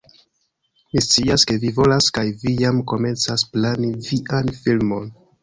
Mi scias, ke vi volas kaj vi jam komencas plani vian filmon